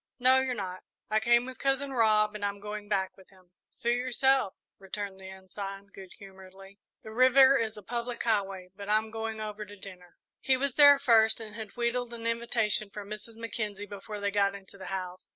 "No, you're not; I came with Cousin Rob and I'm going back with him." "Suit yourself," returned the Ensign, good humouredly, "the river is a public highway; but I'm going over to dinner." He was there first, and had wheedled an invitation from Mrs. Mackenzie before they got into the house.